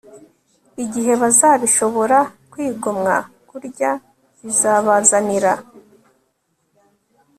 igihe bazabishobora Kwigomwa kurya bizabazanira